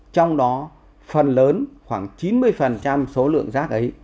trong đó phần lớn khoảng chín mươi số lượng rác ấy